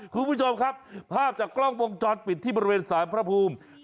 คุณผู้ชมครับภาพจากกล้องวงจรปิดที่บริเวณสารพระภูมิ